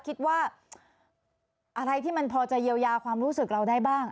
คิดว่าอะไรที่มันพอจะเยียวยาความรู้สึกเราได้บ้าง